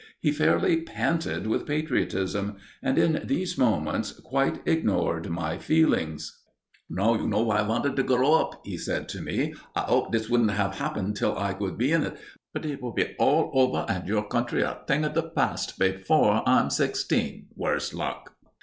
He fairly panted with patriotism, and in these moments, quite ignored my feelings. "Now you know why I wanted to grow up," he said to me. "I hoped this wouldn't have happened till I could be in it. But it will be all over and your country a thing of the past before I'm sixteen worse luck!"